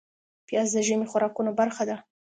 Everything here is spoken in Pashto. پیاز د ژمي خوراکونو برخه ده